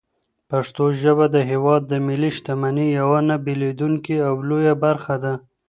پښتو ژبه د هېواد د ملي شتمنۍ یوه نه بېلېدونکې او لویه برخه ده.